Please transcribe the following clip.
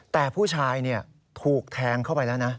แต่ผู้ชายถูกแทงเข้าไปแล้วนะ